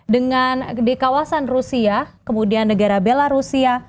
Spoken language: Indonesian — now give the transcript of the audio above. dengan di kawasan rusia kemudian negara belarusia